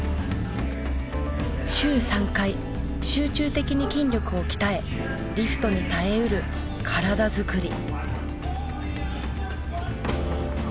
週３回集中的に筋力を鍛えリフトに耐えうる体づくり。